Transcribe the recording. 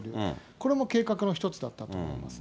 これも計画の一つだったと思いま